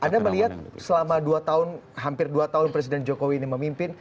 anda melihat selama dua tahun hampir dua tahun presiden jokowi ini memimpin